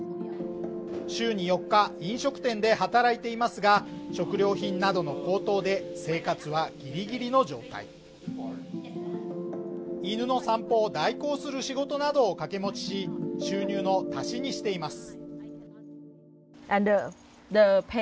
週に４日飲食店で働いていますが食料品などの高騰で生活はギリギリの状態犬の散歩を代行する仕事などを掛け持ちし収入の足しにしています